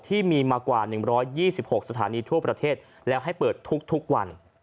ที่มีมากว่า๑๒๖สถานีทั่วประเทศแล้วให้เปิดทุกวัน